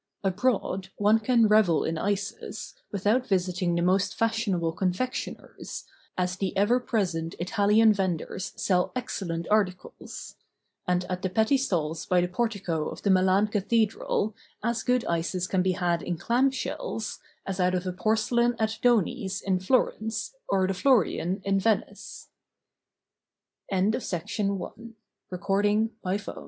Abroad one can revel in ices, without visiting the most fashionable confectioners, as the ever present Ital¬ ian venders sell excellent articles ; and at the petty stalls by the portico of the Milan Cathedral, as good ices can be had in clam shells, as out of porcelain at Doney's, in Flor¬ ence, or the Florian, in